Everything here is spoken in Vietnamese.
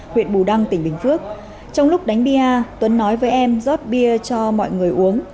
huyện bù đăng tỉnh bình phước trong lúc đánh bia tuấn nói với em rót bia cho mọi người uống